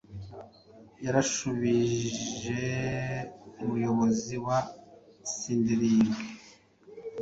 yarashubijeumuyobozi wa Scyldings